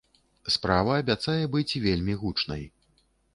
Справа абяцае быць вельмі гучнай.